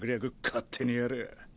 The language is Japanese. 勝手にやれよ。